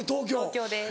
東京です。